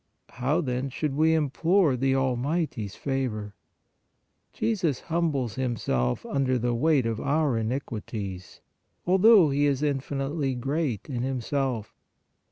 How then should we implore the Almighty s favor? Jesus humbles Himself under the weight of our iniquities, although He is infinitely great in Himself.